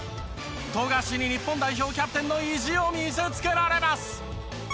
富樫に日本代表キャプテンの意地を見せつけられます。